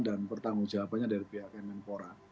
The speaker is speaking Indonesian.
dan pertanggung jawabannya dari pihak kemenpora